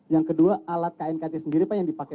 yang kedua alat knkt sendiri pak yang dipakai